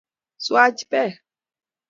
swach beek